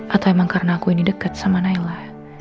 atau emang karena aku ini dekat sama naila